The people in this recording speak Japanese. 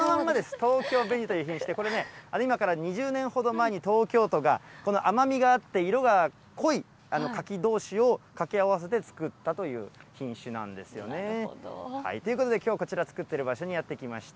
東京紅という、これね、今から２０年ほど前に東京都がこの甘みがあって色が濃い柿どうしをかけ合わせて作ったという品種なんですよね。ということで、きょうはこちら、作っている場所にやって来ました。